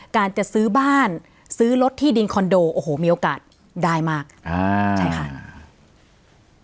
การจะซื้อบ้านซื้อรถที่ดินคอนโดโอ้โหมีโอกาสได้มากอ่าใช่ค่ะอ่า